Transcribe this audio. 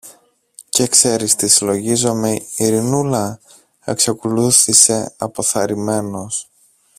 Και ξέρεις τι συλλογίζομαι, Ειρηνούλα; εξακολούθησε αποθαρρυμένος.